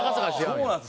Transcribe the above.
そうなんです。